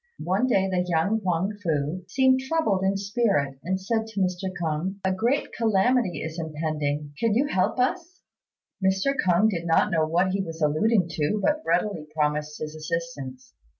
One day the young Huang fu seemed troubled in spirit, and said to Mr. K'ung, "A great calamity is impending. Can you help us?" Mr. K'ung did not know what he was alluding to, but readily promised his assistance.